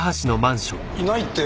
いないって。